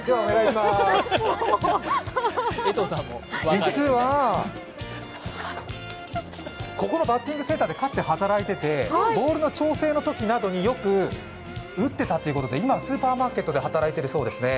実は、ここのバッティングセンターでかつて働いていてボールの調整のときなどによく打ってたってことで今はスーパーマーケットで働いているそうですね。